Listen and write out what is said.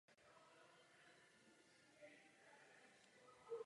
Schéma nahoře zobrazuje všechny dosažitelné tóny na trubku.